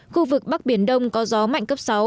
khu vực bắc biển đông có gió mạnh cấp sáu